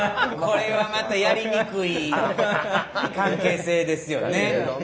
これはまたやりにくい関係性ですよね。